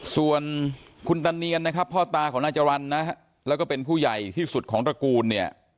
ส่วนคุณตาเนียนนะครับพ่อตาของนายจรรย์นะฮะแล้วก็เป็นผู้ใหญ่ที่สุดของตระกูลเนี่ย